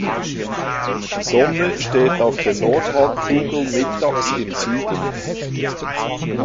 Die Sonne steht auf der Nordhalbkugel mittags im Süden.